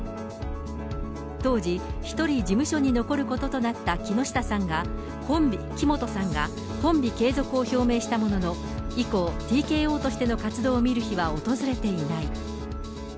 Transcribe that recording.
当時、１人事務所に残ることとなった木本さんがコンビ継続を表明したものの、以降、ＴＫＯとしての活動を見る日は訪れていない。